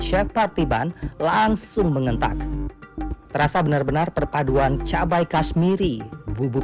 chef partiban langsung mengentak terasa benar benar perpaduan cabai kashmiri bubur